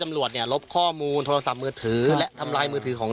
ตำรวจเนี่ยลบข้อมูลโทรศัพท์มือถือและทำลายมือถือของ